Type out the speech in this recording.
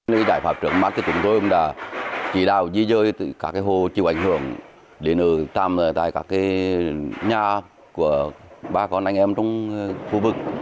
những giải pháp trước mắt thì chúng tôi cũng đã chỉ đào di rời từ các hồ chịu ảnh hưởng đến ở tạm tại các nhà của ba con anh em trong khu vực